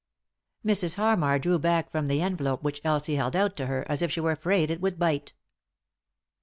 " Mrs. Harmar drew back from the envelope which Elsie held out to her as if she were afraid it would bite.